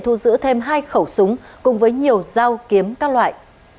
thu giữ thêm hai khẩu súng cùng với nhiều dao kiếm các loại